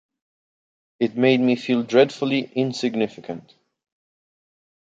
It made me feel dreadfully insignificant.